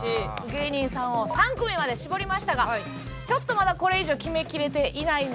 芸人さんを３組まで絞りましたがちょっとまだこれ以上決めきれていないので。